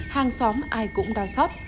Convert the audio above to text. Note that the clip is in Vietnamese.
hàng xóm ai cũng đau xót